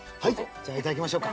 じゃあ頂きましょうか。